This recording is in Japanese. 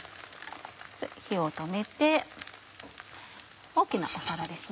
火を止めて大きな皿ですね。